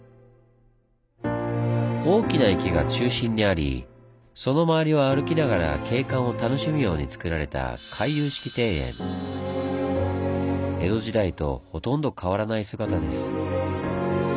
大きな池が中心にありその周りを歩きながら景観を楽しむようにつくられた江戸時代とほとんど変わらない姿です。